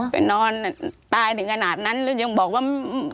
ไปนอนตายถึงขณะนั้นแล้วยังแบบว่า